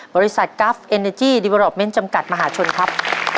บริษัทกราฟเอ็นเนจี้ดิเวอรอปเมนต์จำกัดมหาชนครับ